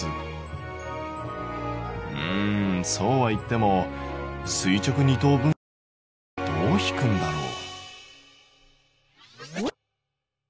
うんそうはいっても垂直二等分線ってどう引くんだろう？